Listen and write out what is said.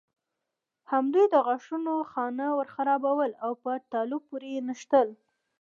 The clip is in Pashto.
همدوی د غاښونو خانه ورخرابول او په تالو پورې نښتل.